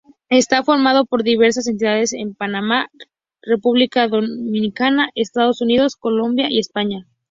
Está formado por diversas entidades en Panamá, República Dominicana, Estados Unidos, Colombia y España.